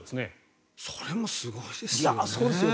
それもすごいですよね。